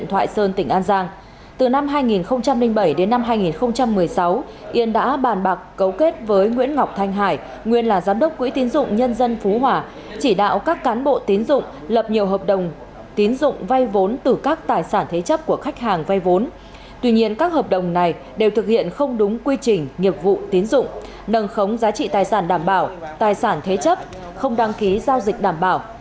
tài sản thế chấp không đăng ký giao dịch đảm bảo